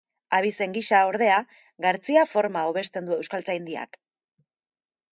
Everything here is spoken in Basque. Abizen gisa, ordea, Gartzia forma hobesten du Euskaltzaindiak.